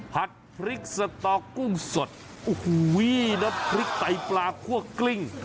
ผัดพริกสะตอกกุ้งสดนัดพริกไตปลาคั่วกลิ้ง